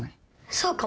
そうかも。